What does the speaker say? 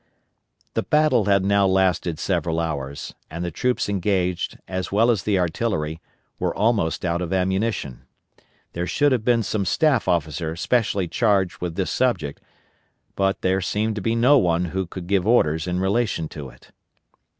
The battle had now lasted several hours, and the troops engaged, as well as the artillery, were almost out of ammunition. There should have been some staff officer specially charged with this subject, but there seemed to be no one who could give orders in relation to it.